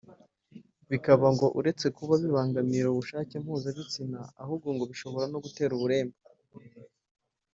bikaba ngo uretse kuba bibangamira ubushake mpuzabitsina ahubwo ngo bishobora gutera uburemba